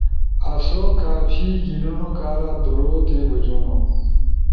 آسو کافی گھیِنونو کارا درو بجونو